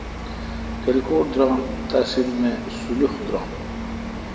کلھکوٹ درآم تحصیل می سولح درام۔